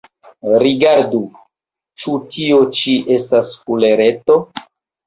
Rigardu: ĉu tio ĉi estas kulereto?